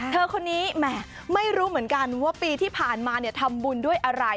เธอคนนี้แหมไม่รู้เหมือนกันว่าปีที่ผ่านมาทำบุญด้วยอะไร